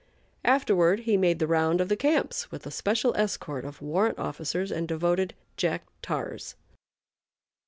Afterward he made the round of the camps with a special escort of warrant officers and devoted Jack Tars.